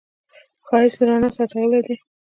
ښایست له رڼا سره تړلی دی